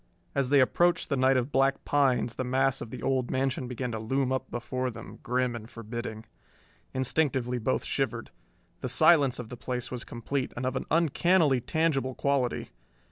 As they approached the night of black pines the mass of the old mansion began to loom up before them, grim and forbidding. Instinctively both shivered. The silence of the place was complete and of an uncannily tangible quality.